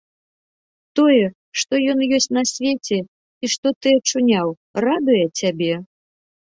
Тое, што ён ёсць на свеце і што ты ачуняў, радуе цябе?